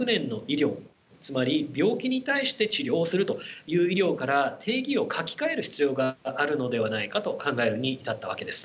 つまり病気に対して治療をするという医療から定義を書き換える必要があるのではないかと考えるに至ったわけです。